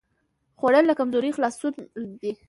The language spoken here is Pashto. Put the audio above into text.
خوړل له کمزورۍ خلاصون دی